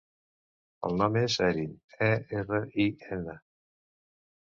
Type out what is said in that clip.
El nom és Erin: e, erra, i, ena.